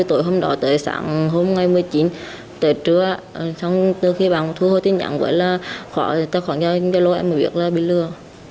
tối hôm đó tới sáng hôm một mươi chín tới trưa từ khi bà thu hồ tin nhắn với là tài khoản giao lộ em bị lừa